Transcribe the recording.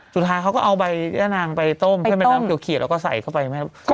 สุดท้ายเขาก็เอาใบย่านางไปต้มเพื่อเป็นน้ำเขียวแล้วก็ใส่เข้าไป